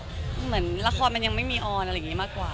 เหมือนละครมันยังไม่มีออนอะไรอย่างนี้มากกว่า